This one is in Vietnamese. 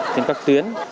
trên các tuyến